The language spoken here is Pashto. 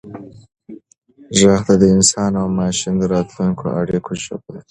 ږغ د انسان او ماشین د راتلونکو اړیکو ژبه ده.